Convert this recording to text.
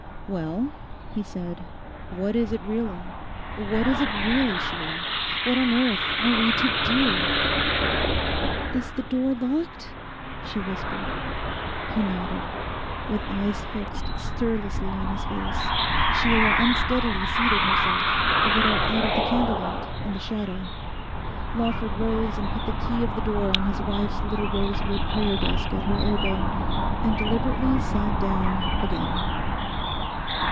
'Well,' he said, 'what is it really; what is it really, Sheila? What on earth are we to do?' 'Is the door locked?' she whispered. He nodded. With eyes fixed stirlessly on his face, Sheila unsteadily seated herself, a little out of the candlelight, in the shadow. Lawford rose and put the key of the door on his wife's little rose wood prayer desk at her elbow, and deliberately sat down again.